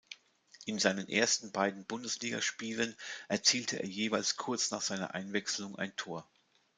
In seinen ersten beiden Bundesligaspielen erzielte er jeweils kurz nach seiner Einwechslung ein Tor.